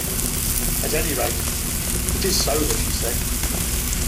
“At any rate, it is sober,” she said.